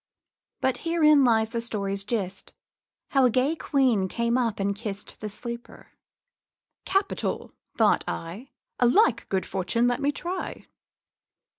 But herein lies the story's gist, How a gay queen came up and kist The sleeper. 'Capital!' thought I. 'A like good fortune let me try.'